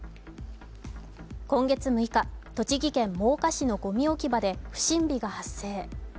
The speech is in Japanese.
今月６日、栃木県真岡市のごみ置き場で不審火が発生。